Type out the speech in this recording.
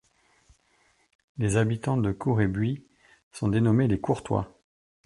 Les habitants de Cour-et-Buis sont dénommés les Courtois.